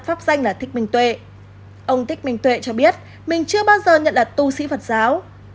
pháp danh là thích minh tuệ ông tích minh tuệ cho biết mình chưa bao giờ nhận đặt tu sĩ phật giáo